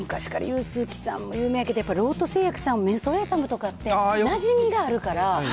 なんかね、昔から、有名やけど、ロート製薬さん、メンソレータムとかってなじみがあるから。